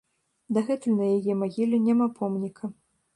Дагэтуль на яе магіле няма помніка.